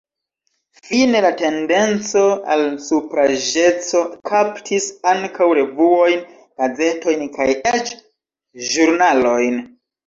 Fine la tendenco al supraĵeco kaptis ankaŭ revuojn, gazetojn kaj eĉ ĵurnalojn.